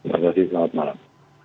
terima kasih selamat malam